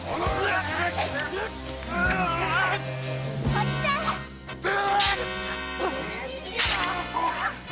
おじさんっ！